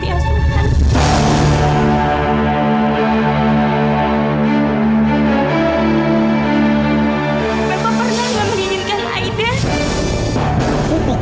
bapak pernah menginginkan aiden